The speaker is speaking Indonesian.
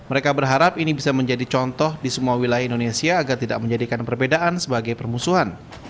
mereka berharap ini bisa menjadi contoh di semua wilayah indonesia agar tidak menjadikan perbedaan sebagai permusuhan